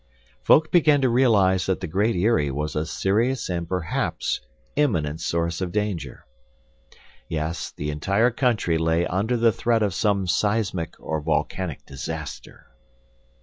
Folk began to realize that the Great Eyrie was a serious and perhaps imminent source of danger. Yes, the entire country lay under the threat of some seismic or volcanic disaster.